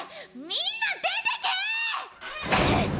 みんな出てけー！